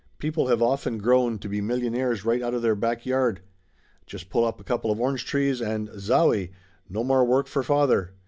"People have often grown to be million aires right out of their back yard. Just pull up a couple of orange trees, and zowie ! No more work for father.